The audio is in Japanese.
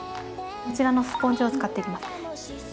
こちらのスポンジを使っていきます。